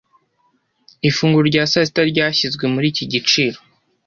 Ifunguro rya sasita ryashyizwe muri iki giciro?